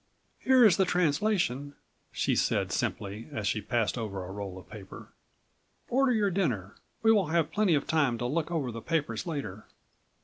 "Here is the translation," she said simply as she passed over a roll of paper. "Order your dinner; we will have plenty of time to look over the papers later."